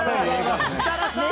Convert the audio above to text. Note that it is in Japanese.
設楽さん！